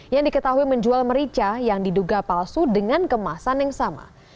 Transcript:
yang diketahui menjual merica yang diduga palsu dengan kemasan yang sama